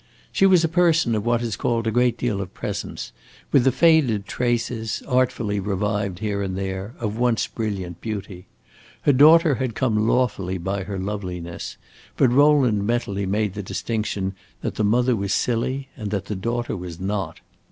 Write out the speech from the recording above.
She was a person of what is called a great deal of presence, with the faded traces, artfully revived here and there, of once brilliant beauty. Her daughter had come lawfully by her loveliness, but Rowland mentally made the distinction that the mother was silly and that the daughter was not.